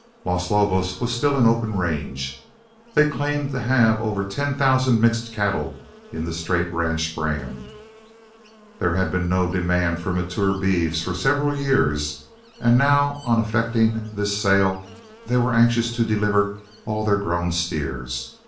Los Lobos was still an open range. They claimed to have over ten thousand mixed cattle in the straight ranch brand. There had been no demand for matured beeves for several years, and now on effecting this sale they were anxious to deliver all their grown steers.